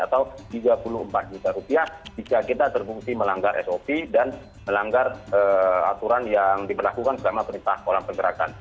atau tiga puluh empat juta rupiah jika kita terbukti melanggar sop dan melanggar aturan yang diberlakukan selama perintah kolam pergerakan